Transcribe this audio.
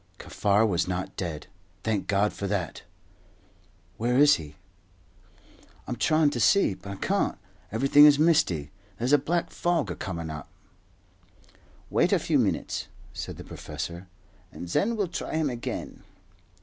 Kaffar was not dead. Thank God for that! "Where is he?" "I am tryin' to see, but I can't. Everything is misty. There's a black fog a comin' up." "Wait a few minutes," said the professor, "and then we'll try him again."